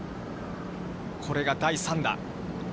これが第３打。